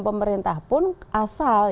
pemerintah pun asal